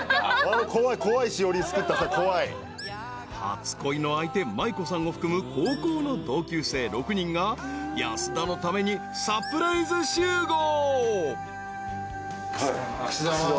［初恋の相手麻衣子さんを含む高校の同級生６人が安田のためにサプライズ集合］